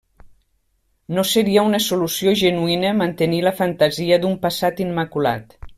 No seria una solució genuïna mantenir la fantasia d'un passat immaculat.